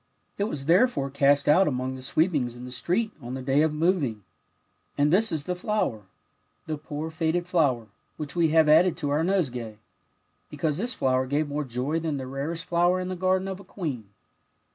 It was therefore cast out among the sweepings in the street on the day of moving; and this is the flow^er, the poor faded flower, which we have added to our nosegay, because this flower gave more joy than the rarest flower in the garden of a queen."